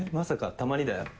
たまにだよ。